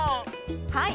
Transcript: はい。